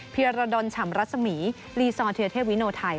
เพียรดรชำรัศมีรีซอลเทียเทพวิโนไทย